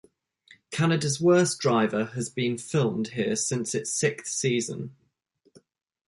Canada's Worst Driver has been filmed here since its sixth season.